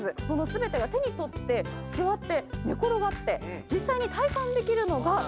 その全てが手に取って座って寝転がって実際に体感できるのが。